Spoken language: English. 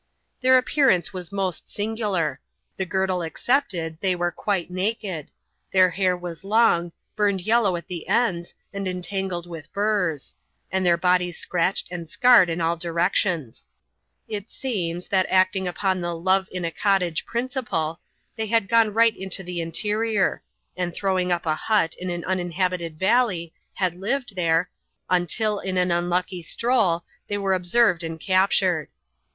Their appearance was most singular. The girdle excepted, they were quite naked ; their hair was long, burned yellow at the ends, and entangled with burs ; and their bodies scratched and scarred in all directions. It seems, that acting upon the "love in a cottage" principle, they had gone right into the interior ; and, throwing up a hut in an uninhabited valley, had lived there, until in an unlucky stroll, they were observed and captured.